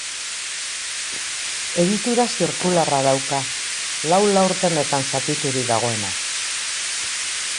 Egitura zirkularra dauka, lau laurdenetan zatiturik dagoena.